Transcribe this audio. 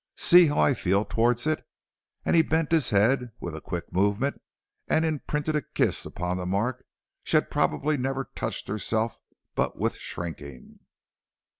See how I feel towards it!" and he bent his head with a quick movement, and imprinted a kiss upon the mark she had probably never touched herself but with shrinking.